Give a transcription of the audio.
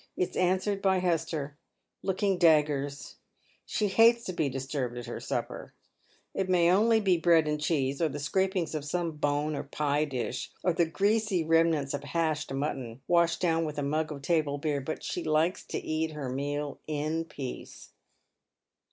It is answered by Hester, looking daggers. She hates to be disturbed at her supper. It may be only bread and cheese, or the scrapings of some bone or pie dish, or the greasy remnants of hashed mutton, washed down with a mug of table beer, but she likes to eat her meal in peace.